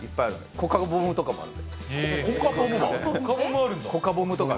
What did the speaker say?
コカボムとかある。